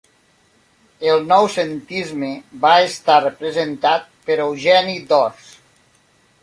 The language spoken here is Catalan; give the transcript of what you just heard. El noucentisme va estar representat per Eugeni d'Ors.